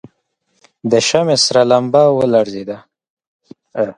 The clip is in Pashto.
د شمعې سره لمبه ولړزېده.